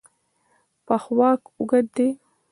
پښواک اوږد دی.